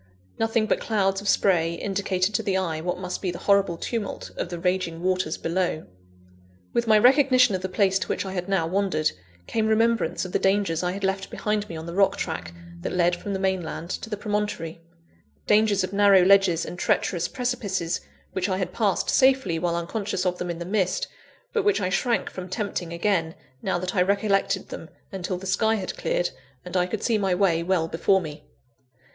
Nothing but clouds of spray indicated to the eye, what must be the horrible tumult of the raging waters below. With my recognition of the place to which I had now wandered, came remembrance of the dangers I had left behind me on the rock track that led from the mainland to the promontory dangers of narrow ledges and treacherous precipices, which I had passed safely, while unconscious of them in the mist, but which I shrank from tempting again, now that I recollected them, until the sky had cleared, and I could see my way well before me.